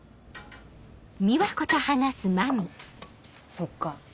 そっか。